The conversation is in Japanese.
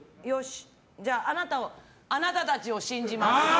あなたたちを信じます。